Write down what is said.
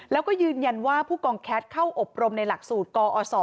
แล้วก็ยืนยันว่าผู้กองแคทเข้าอบรมในหลักสูตรกอศ